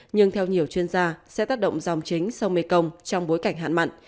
nhưng theo nhiều chuyên gia sẽ tác động dòng chính sau mekong trong bối cảnh hạn mặn